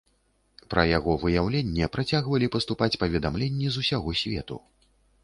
Пра яго выяўленне працягвалі паступаць паведамленні з усяго свету.